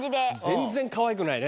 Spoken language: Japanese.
全然かわいくない。